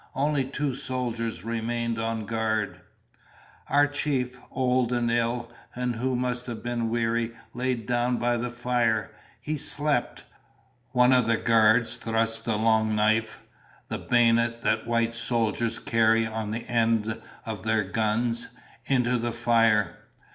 Only two soldiers remained on guard. "Our chief, old and ill, and who must have been weary, lay down by the fire. He slept. One of the guards thrust the long knife, the bayonet that white soldiers carry on the end of their guns, into the fire.